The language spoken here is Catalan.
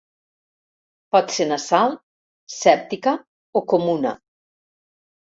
Pot ser nasal, sèptica o comuna.